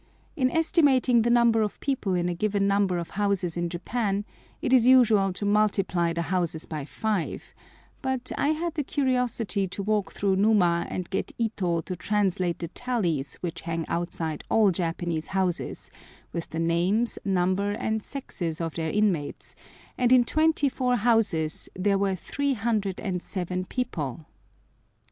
In estimating the number of people in a given number of houses in Japan, it is usual to multiply the houses by five, but I had the curiosity to walk through Numa and get Ito to translate the tallies which hang outside all Japanese houses with the names, number, and sexes of their inmates, and in twenty four houses there were 307 people!